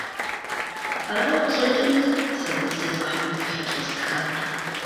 Арауэ къыщӏэкӏынт сэ гугъу зезгъэхьу мы тхылъыр щӏэстхар.